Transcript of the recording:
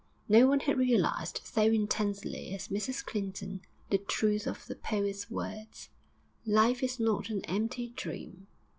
No one had realised so intensely as Mrs Clinton the truth of the poet's words. Life is not an empty dream.